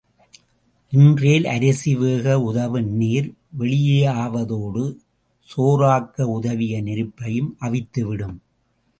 இன்றேல் அரிசி வேகஉதவும் நீர் வெளியாவதோடு, சோறாக்க உதவிய நெருப்பையும் அவித்துவிடும்.